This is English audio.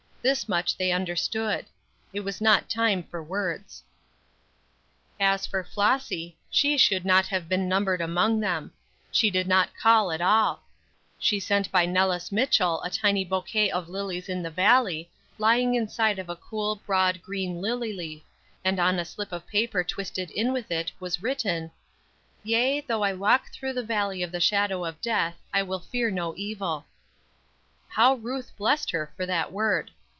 This much they understood. It was not a time for words. As for Flossy, she should not have been numbered among them. She did not call at all; she sent by Nellis Mitchell a tiny bouquet of lilies of the valley, lying inside of a cool, broad green lily leaf, and on a slip of paper twisted in with it was written: "Yea, though I walk through the valley of the shadow of death, I will fear no evil." How Ruth blessed her for that word!